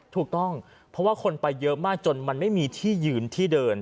ถูกต้องเพราะว่าคนไปเยอะมากจนมันไม่มีที่ยืนที่เดิน